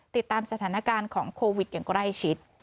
ติดตามสถานการณ์ของโควิดอย่างใกล้ชิด